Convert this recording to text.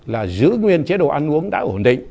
là giữ nguyên chế độ ăn uống đã ổn định